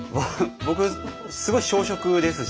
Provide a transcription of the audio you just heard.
僕すごい小食ですし。